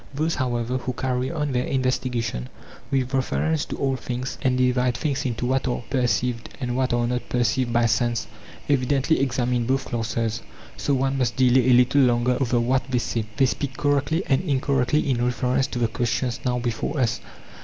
Those, however, who carry on their investigation with reference to all things, and divide things into what are perceived and what are not perceived by sense, evidently examine both classes, so 140 THE FIRST PHILOSOPHERS OF GREECE one must delay a little longer over what they say. They speak correctly and incorrectly in reference to the ques tions now before us.